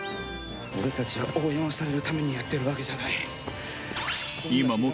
俺たちは応援をされるためにやってるわけじゃない。